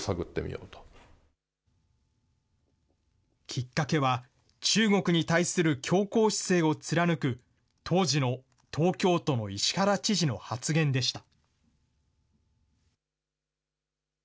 きっかけは中国に対する強硬姿勢を貫く、当時の東京都の石原知事の発言でした。